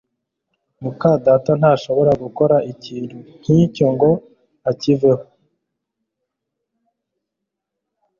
muka data ntashobora gukora ikintu nkicyo ngo akiveho